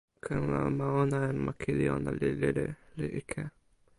ken la, ma ona en ma kili ona li lili, li ike.